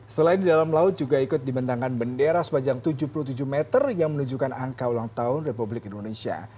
selain di dalam laut juga ikut dibentangkan bendera sepanjang tujuh puluh tujuh meter yang menunjukkan angka ulang tahun republik indonesia